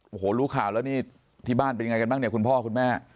โอ้โหรู้ข่าวแล้วนี่ที่บ้านเป็นยังไงกันบ้างเนี่ยคุณพ่อคุณแม่